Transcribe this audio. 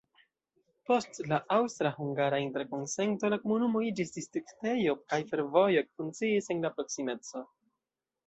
Post la Aŭstra-hungara interkonsento la komunumo iĝis distriktejo kaj fervojo ekfunkciis en la proksimeco.